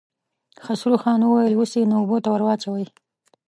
خسرو خان وويل: اوس يې نو اوبو ته ور واچوئ.